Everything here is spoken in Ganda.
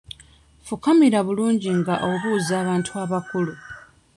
Fukamira bulungi nga obuuza abantu abakulu.